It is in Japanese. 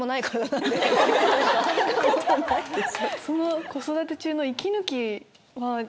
その子育て中の息抜きは。